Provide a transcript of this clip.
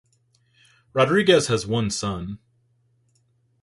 Rodriguez has one son.